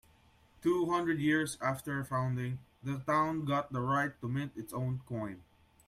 Two hundred years after founding, the town got the right to mint its own coin.